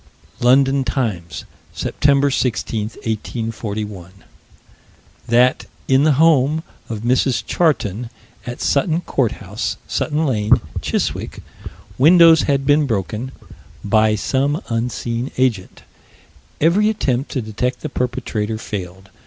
London Times, Sept. 16, 1841: That, in the home of Mrs. Charton, at Sutton Courthouse, Sutton Lane, Chiswick, windows had been broken "by some unseen agent." Every attempt to detect the perpetrator failed.